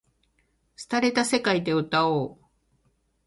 捻れた世界で歌おう